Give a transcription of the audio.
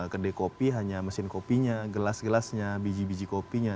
kedai kopi hanya mesin kopinya gelas gelasnya biji biji kopinya